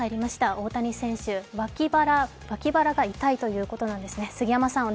大谷選手、脇腹が痛いということなんですね。